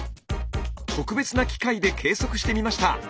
特別な機械で計測してみました。